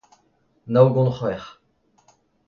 Naogont c'hwec'h